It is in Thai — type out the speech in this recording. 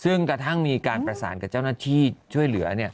ซึ่งกระทั่งมีการประสานกับเจ้าหน้าที่ช่วยเหลือ